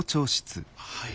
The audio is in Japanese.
はい。